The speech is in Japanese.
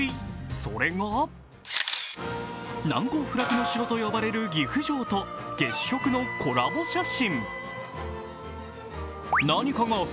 それが、難攻不落の城と呼ばれる岐阜城と月食のコラボ写真。